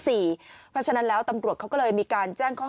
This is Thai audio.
เพราะฉะนั้นแล้วตำรวจเขาก็เลยมีการแจ้งข้อหา